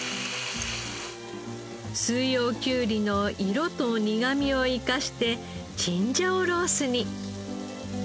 四葉きゅうりの色と苦みを生かしてチンジャオロースに。